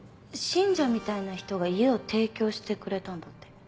信者みたいな人が家を提供してくれたんだって。